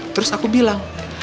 terus aku bilang